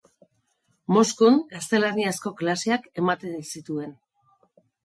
Moskun gaztelaniazko klaseak eman zituen.